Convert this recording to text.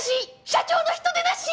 社長の人でなし！